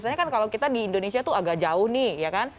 karena kan kalau kita di indonesia tuh agak jauh nih ya kan